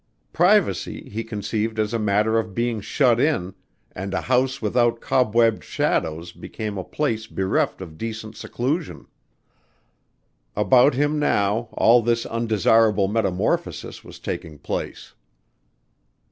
Privacy, he conceived as a matter of being shut in, and a house without cobwebbed shadows became a place bereft of decent seclusion. About him, now, all this undesirable metamorphosis was taking place.